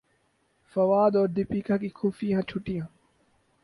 فواد اور دپیکا کی خفیہ چھٹیاں